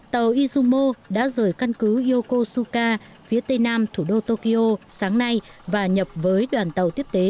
tàu isumo đã rời căn cứ yokosuka phía tây nam thủ đô tokyo sáng nay và nhập với đoàn tàu tiếp tế